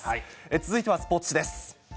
続いてはスポーツ紙です。